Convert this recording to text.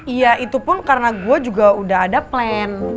iya itu pun karena gue juga udah ada plan